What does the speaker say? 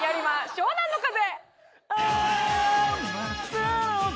湘南乃風。